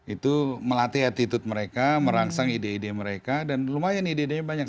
itu melatih attitude mereka merangsang ide ide mereka dan lumayan ide idenya banyak